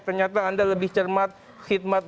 ternyata anda lebih cermat khidmat